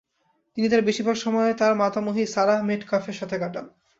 তিনি তার বেশিরভাগ সময় তার মাতামহী সারাহ মেটকাফের সাথে কাটান।